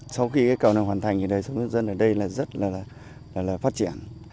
sau khi cầu này hoàn thành thì dân ở đây rất là phát triển